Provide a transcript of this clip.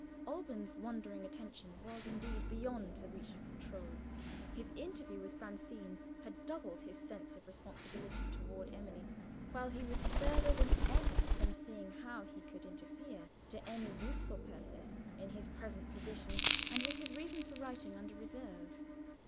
Alban's wandering attention was indeed beyond the reach of control. His interview with Francine had doubled his sense of responsibility toward Emily while he was further than ever from seeing how he could interfere, to any useful purpose, in his present position, and with his reasons for writing under reserve.